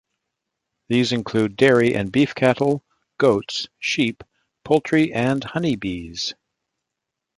These include dairy and beef cattle, goats, sheep, poultry and honey bees.